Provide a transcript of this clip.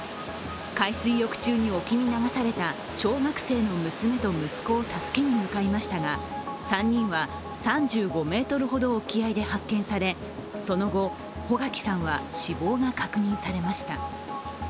海水浴中に置きに流された小学生の娘と息子を助けに向かいましたが助けに向かいましたが、３人は３５ｍほど沖合で発見され、その後、穗垣さんは死亡が確認されました。